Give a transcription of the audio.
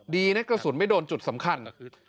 ดีนะกระสุนไม่โดนจุดสำคัญ